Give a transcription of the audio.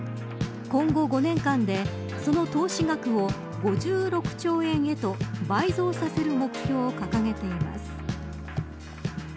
今後５年間でその投資額を５６兆円へと倍増させる目標を掲げています。